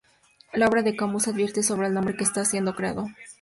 La obra de Camus advierte sobre el hombre que está siendo creado.